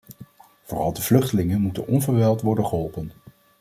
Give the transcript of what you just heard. Vooral de vluchtelingen moeten onverwijld worden geholpen.